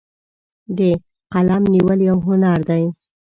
د قلم نیول یو هنر دی.